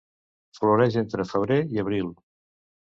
Floreix entre febrer i abril.